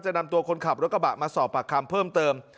นำตัวคนขับรถกระบะมาสอบปากคำเพิ่มเติม